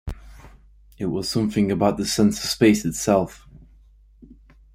It was something about the sense of space itself.